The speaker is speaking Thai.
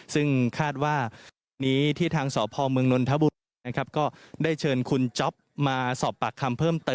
ซึ่งคาดว่านี้ที่ทางสพมนทบุริษฐ์